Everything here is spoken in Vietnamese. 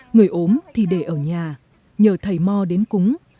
người ốm thì để ở nhà nhờ thầy mò đến cúng